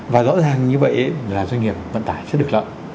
và rõ ràng như vậy là doanh nghiệp vận tải sẽ được lợi